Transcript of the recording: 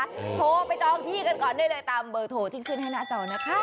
โทรไปจองที่กันก่อนได้เลยตามเบอร์โทรที่ขึ้นให้หน้าจอนะคะ